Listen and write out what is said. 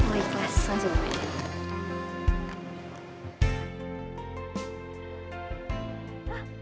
lo ikhlasin semuanya